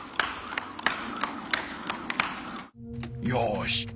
よし。